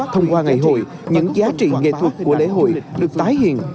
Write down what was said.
thông qua ngày hội những giá trị nghệ thuật của lễ hội được tái hiện